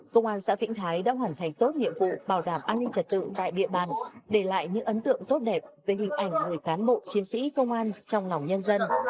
công an xã vĩnh thái đã hoàn thành tốt nhiệm vụ bảo đảm an ninh trật tự tại địa bàn để lại những ấn tượng tốt đẹp về hình ảnh người cán bộ chiến sĩ công an trong lòng nhân dân